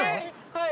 はい。